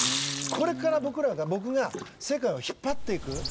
これから僕が世界を引っ張っていく。